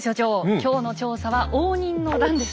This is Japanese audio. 今日の調査は応仁の乱です。